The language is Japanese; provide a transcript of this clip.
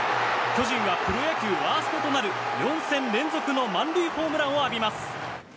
巨人はプロ野球ワーストとなる４戦連続の満塁ホームランを浴びます。